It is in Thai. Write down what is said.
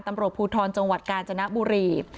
ตำรวจภูทรจังหวัดกาญจนบุรี